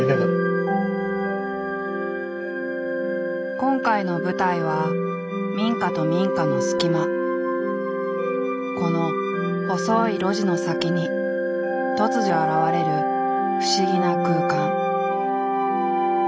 今回の舞台は民家と民家の隙間この細い路地の先に突如現れる不思議な空間。